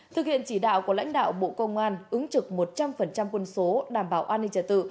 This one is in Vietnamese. thực hiện chỉ đạo của lãnh đạo bộ công an ứng trực một trăm linh quân số đảm bảo an ninh trả tự